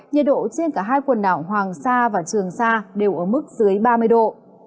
nhiệt độ trên cả hai quần đảo hoàng sa và trường sa đều ở mức dưới ba mươi độ